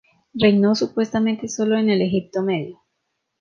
Reinó supuestamente sólo en el Egipto Medio.